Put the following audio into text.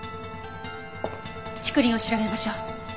竹林を調べましょう。